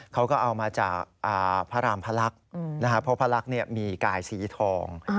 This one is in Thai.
เขาก็เอามาจากพระรามพระลักษณ์เพราะพระลักษณ์มีกายสีทอง